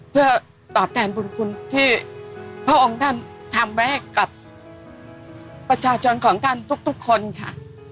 เพื่อตอบแทนบุญคุณที่พระองค์ท่านทำไว้ให้กับประชาชนของท่านทุกคนค่ะ